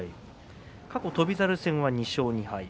過去翔猿戦は２勝２敗。